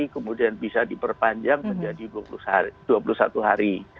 kemudian bisa diperpanjang menjadi dua puluh satu hari